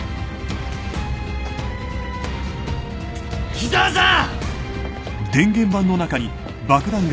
井沢さん！